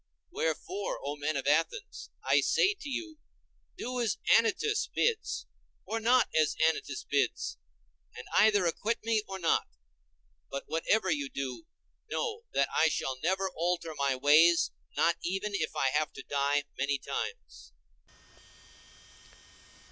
Wherefore, O men of Athens, I say to you, do as Anytus bids or not as Anytus bids, and either acquit me or not; but whatever you do, know that I shall never alter my ways, not even if I have to die many times.